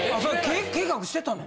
計画してたの？